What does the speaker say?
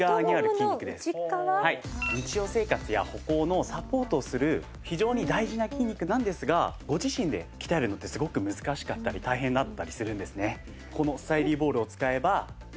日常生活や歩行のサポートをする非常に大事な筋肉なんですがご自身で鍛えるのってすごく難しかったり大変だったりするんですね。